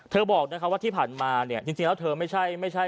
เธอบอกว่าที่ผ่านมาจริงแล้วเธอไม่ใช่